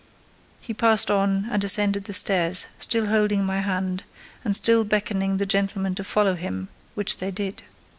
He passed on and ascended the stairs, still holding my hand, and still beckoning the gentlemen to follow him, which they did.